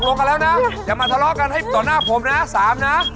ลงกันแล้วนะอย่ามาทะเลาะกันให้ต่อหน้าผมนะ๓นะ